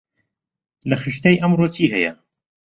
لە خشتەی ئەمڕۆ چی هەیە؟